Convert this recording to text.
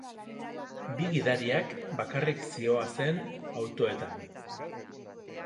Bi gidariak bakarrik zihoazen autoetan.